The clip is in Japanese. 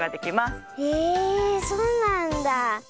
えそうなんだ。